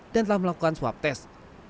dan telah melakukan swab test